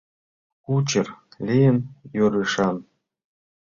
Кучер лийын ӧрышан